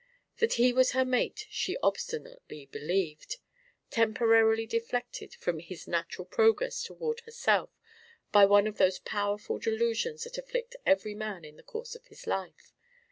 That he was her mate she obstinately believed, temporarily deflected from his natural progress toward herself by one of those powerful delusions that afflict every man in the course of his life.